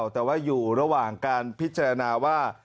แต่ว่าอยู่ระหว่างการพิจารณาว่า